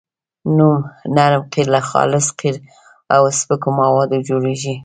نرم قیر له خالص قیر او سپکو موادو جوړیږي